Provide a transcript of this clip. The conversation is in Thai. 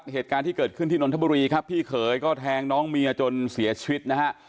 เหตุการณ์ที่เกิดขึ้นที่นนทบุรีครับพี่เขยก็แทงน้องเมียจนเสียชีวิตนะฮะ